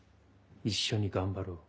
一緒に頑張ろう。